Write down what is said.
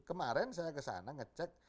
kemarin saya kesana ngecek